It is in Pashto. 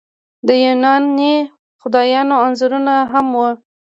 د یوناني خدایانو انځورونه هم وو